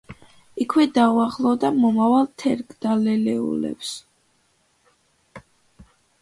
იქვე დაუახლოვდა მომავალ „თერგდალეულებს“.